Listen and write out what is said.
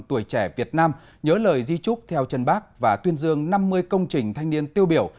tuổi trẻ việt nam nhớ lời di trúc theo chân bác và tuyên dương năm mươi công trình thanh niên tiêu biểu